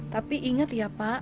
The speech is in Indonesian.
tapi ingat ya pak